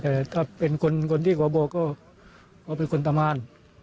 แต่ถ้าเป็นคนที่ขอบอกก็เป็นคนประมาณ